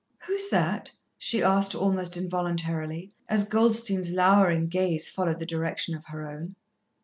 "Who is that?" she asked almost involuntarily, as Goldstein's lowering gaze followed the direction of her own.